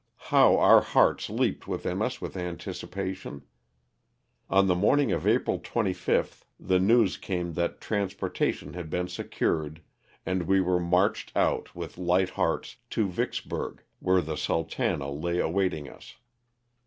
How our hearts leaped within us with anticipation. On the morning of April 25th the news came that trans portation had been secured, and we were marched out, with light hearts, to Vicksburg where the ^'Sultana" lay awaiting us.